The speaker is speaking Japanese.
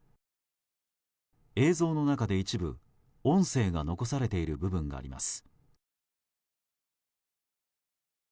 映像の中で一部、音声が残されている部分があります。